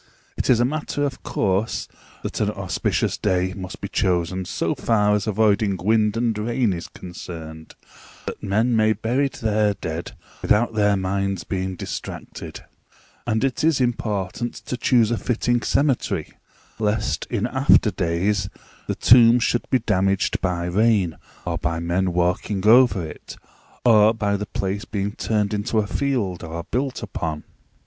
It is a matter of course that an auspicious day must be chosen so far as avoiding wind and rain is concerned, that men may bury their dead without their minds being distracted; and it is important to choose a fitting cemetery, lest in after days the tomb should be damaged by rain, or by men walking over it, or by the place being turned into a field, or built upon.